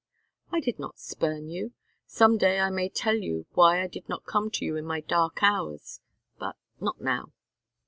"I did not spurn you. Some day I may tell you why I did not come to you in my dark hours, but not now."